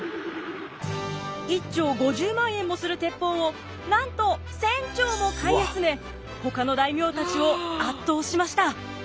１挺５０万円もする鉄砲をなんと１，０００挺も買い集めほかの大名たちを圧倒しました。